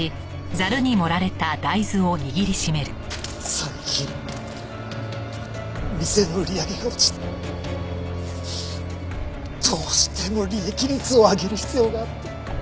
最近店の売り上げが落ちてどうしても利益率を上げる必要があって。